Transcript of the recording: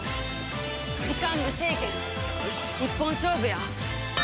時間無制限一本勝負や。